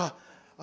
あ！